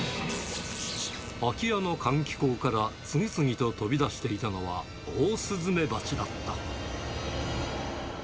空き家の換気口から次々と飛び出していたのは、オオスズメバチだった。